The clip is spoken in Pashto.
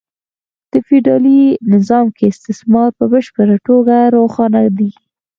په فیوډالي نظام کې استثمار په بشپړه توګه روښانه دی